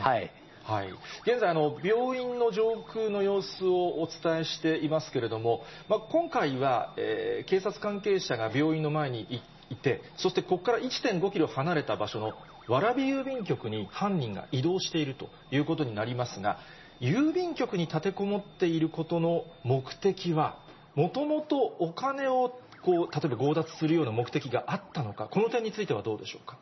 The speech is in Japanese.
現在、病院の上空の様子をお伝えしていますけれども、今回は警察関係者が病院の前にいて、そしてここから１．５キロ離れた場所の蕨郵便局に犯人が移動しているということになりますが、郵便局に立てこもっていることの目的は、もともとお金を、例えば強奪するような目的があったのか、この点についてはどうでしょうか。